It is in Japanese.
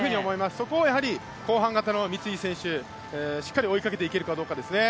そこを後半型の三井選手、しっかり追いかけていけるかですね。